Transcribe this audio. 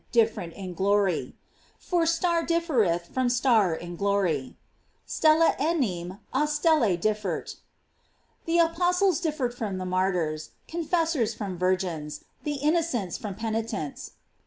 509 different in glory: for star differetb from stai in glory: " Stella enim a Stella differt."* The Apostles differ from the martyrs, confessors from virgins, the innocents from penitents.